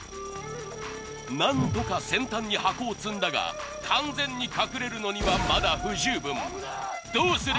何とか先端に箱を積んだが完全に隠れるのにはまだ不十分どうする？